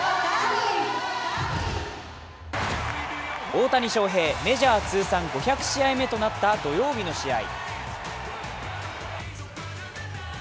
大谷翔平、メジャー通算５００試合目となった土曜日の試合。